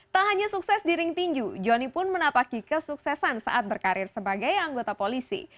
tak hanya sukses di ring tinju jonny pun menapaki kesuksesan saat berkarir sebagai anggota polisi